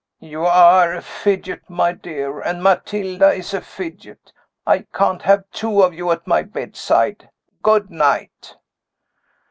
"You are a fidget, my dear, and Matilda is a fidget I can't have two of you at my bedside. Good night."